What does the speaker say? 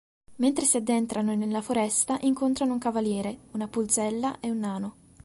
Mentre si addentrano nella foresta incontrano un cavaliere, una pulzella e un nano.